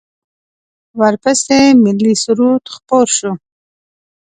ورپسې ملی سرود خپور شو.